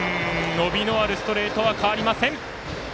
伸びのあるストレートは変わりません。